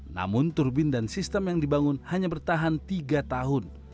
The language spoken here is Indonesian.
namun turbin dan sistem yang dibangun hanya bertahan tiga tahun